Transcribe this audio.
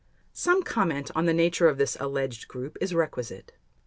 Some comment on the nature of this alleged group is requisite.